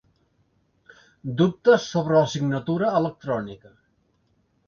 Dubtes sobre la signatura electrònica.